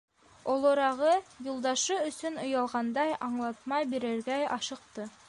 Олорағы, юлдашы өсөн оялғандай, аңлатма бирергә ашыҡты: